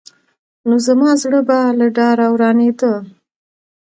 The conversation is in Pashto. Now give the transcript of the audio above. نو زما زړه به له ډاره ورانېده.